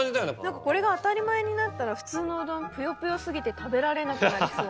何かこれが当たり前になったら普通のうどんぷよぷよ過ぎて食べられなくなりそう。